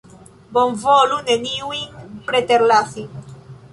Bonvolu neniujn preterlasi!